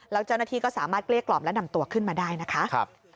แล้วเจ้าหน้าที่ก็สามารถเกลี้ยกล่อมและนำตัวขึ้นมาได้นะคะ